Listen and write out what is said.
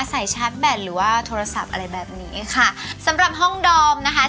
ชาร์จแบตหรือว่าโทรศัพท์อะไรแบบนี้ค่ะสำหรับห้องดอมนะคะ